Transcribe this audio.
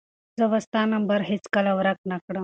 زه به ستا نمبر هیڅکله ورک نه کړم.